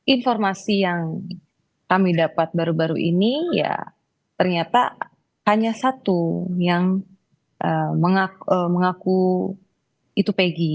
informasi yang kami dapat baru baru ini ya ternyata hanya satu yang mengaku itu peggy